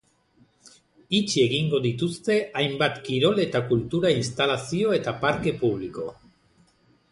Itxi egingo dituzte hainbat kirol eta kultura instalazio eta parke publiko.